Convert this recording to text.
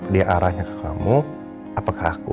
dia arahnya ke kamu apakah aku